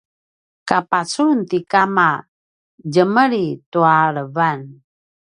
ka pacun ti kama djemli tua levan